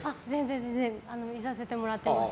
全然、見させてもらってます。